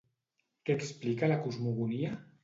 Què explica la cosmogonia?